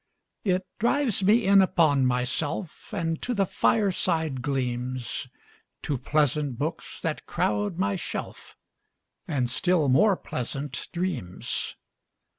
It drives me in upon myself 5 And to the fireside gleams, To pleasant books that crowd my shelf, And still more pleasant dreams.